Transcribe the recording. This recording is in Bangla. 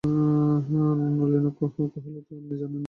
নলিনাক্ষ কহিল, আপনি জানেন না, পূর্বেই আমার বিবাহ হইয়াছে।